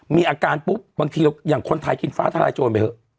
มีอาการปุ๊บบางทีอย่างคนไทยกินฟ้าทลายโจรไปเถอะ